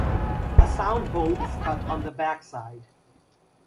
A sound hole is cut on the back side.